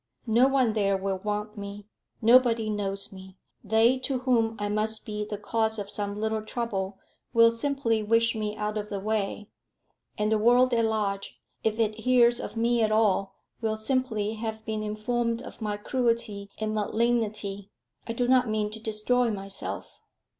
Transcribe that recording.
No one there will want me; nobody knows me. They to whom I must be the cause of some little trouble will simply wish me out of the way; and the world at large, if it hears of me at all, will simply have been informed of my cruelty and malignity. I do not mean to destroy myself."